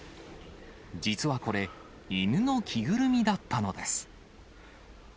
実はこれ、犬の着ぐるみだったのです。